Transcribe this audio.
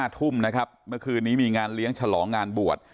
๕ทุ่มเมื่อคลินนี้มีงานเลี้ยงฉลองงานบวช